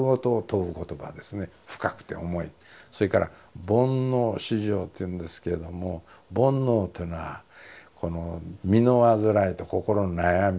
それから「煩悩熾盛」っていうんですけれども煩悩というのは身のわずらいと心の悩みですね。